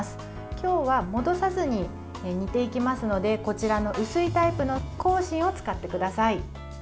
今日は戻さずに煮ていきますのでこちらの薄いタイプのこうしんを使ってください。